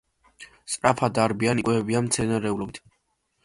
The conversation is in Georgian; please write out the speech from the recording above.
სწრაფად დარბიან, იკვებებიან მცენარეულობით.